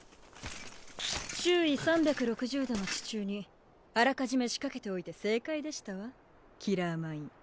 周囲３６０度の地中にあらかじめ仕掛けておいて正解でしたわ「キラーマイン」。